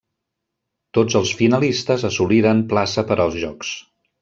Tots els finalistes assoliren plaça per als Jocs.